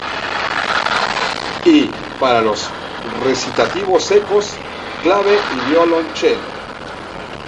Y, para los recitativos secos, clave y violonchelo.